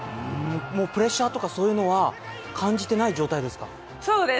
プレッシャーとかそういうのは感じていない状態ですか？